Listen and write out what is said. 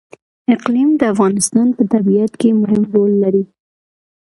اقلیم د افغانستان په طبیعت کې مهم رول لري.